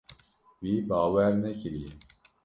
Wî bawer nekiriye.